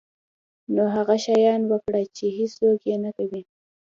نو هغه شیان وکړه چې هیڅوک یې نه کوي.